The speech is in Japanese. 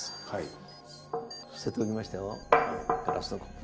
はい。